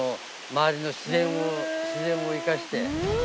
周りの自然を生かして。